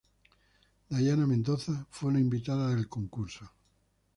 Dayana Mendoza fue una invitada del concurso.